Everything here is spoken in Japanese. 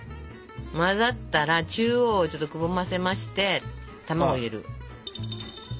混ざったら中央をちょっとくぼませまして卵を入れる。